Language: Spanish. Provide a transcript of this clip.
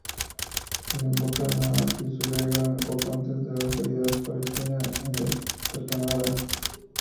Desemboca en el Pisuerga poco antes de la localidad palentina de Torquemada.